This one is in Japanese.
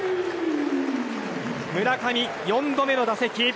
村上、４度目の打席。